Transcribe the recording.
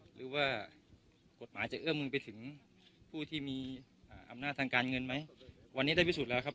หรือว่ากฎหมายจะเอื้อมมือไปถึงผู้ที่มีอำนาจทางการเงินไหมวันนี้ได้พิสูจน์แล้วครับ